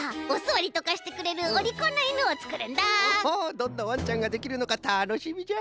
どんなわんちゃんができるのかたのしみじゃ。